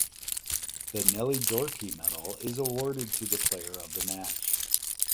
The Nellie Doherty Medal is awarded to the player of the match.